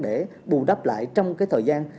để bù đắp lại trong cái thời gian